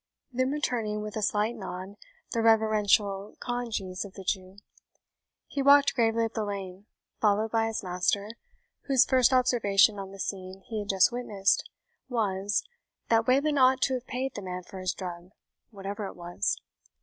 Then returning with a slight nod the reverential congees of the Jew, he walked gravely up the lane, followed by his master, whose first observation on the scene he had just witnessed was, that Wayland ought to have paid the man for his drug, whatever it was.